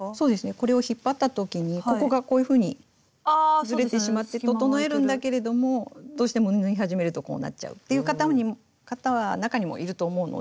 これを引っ張った時にここがこういうふうにズレてしまって整えるんだけれどもどうしても縫い始めるとこうなっちゃうっていう方中にもいると思うので。